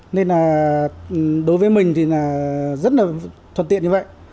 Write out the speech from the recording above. nên là đối với mình thì là rất là thuận tiện như vậy